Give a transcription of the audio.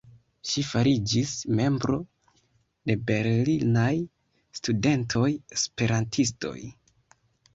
Ŝi fariĝis membro de Berlinaj Studentoj-Esperantistoj.